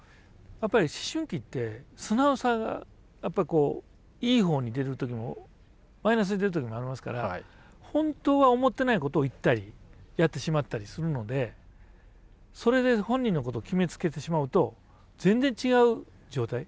やっぱり思春期って素直さがいい方に出る時もマイナスに出る時もありますから本当は思っていないことを言ったりやってしまったりするのでそれで本人のことを決めつけてしまうと全然違う状態。